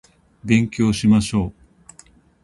勉強しましょう